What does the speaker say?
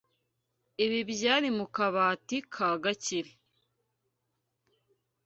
Ibi byari mu kabati ka Gakire.